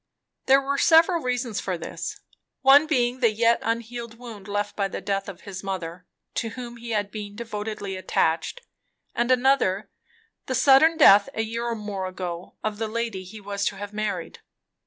There were several reasons for this; one being the yet unhealed wound left by the death of his mother, to whom he had been devotedly attached, and another the sudden death a year or more ago of the lady he was to have married.